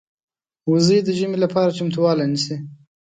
وزې د ژمې لپاره چمتووالی نیسي